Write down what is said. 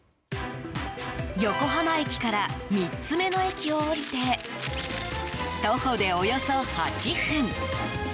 横浜駅から３つ目の駅を降りて徒歩でおよそ８分。